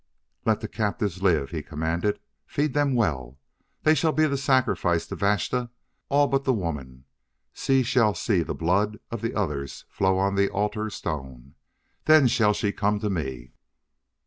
"Let the captives live!" he commanded. "Feed them well. They shall be the sacrifice to Vashta all but the woman. She shall see the blood of the others flow on the altar stone; then shall she come to me."